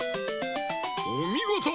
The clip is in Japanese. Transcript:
おみごと！